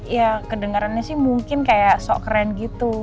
ya kedengarannya sih mungkin kayak so keren gitu